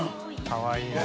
かわいいな。